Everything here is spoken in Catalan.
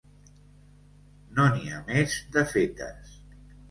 No n'hi ha més de fetes.